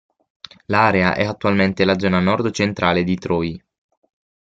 L'area è attualmente la zona nord-centrale di Troy.